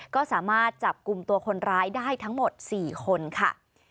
ก็สามารถจับกลุ่มตัวคนร้ายได้ทั้งหมด๔คนค่ะ